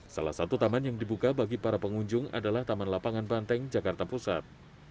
salah satu taman yang dibuka bagi para pengunjung adalah taman lapangan banteng jakarta pusat